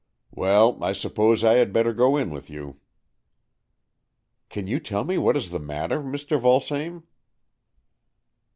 " Well, I suppose I had better go in with you." " Can you tell me what is the matter, Mr. Vulsame?"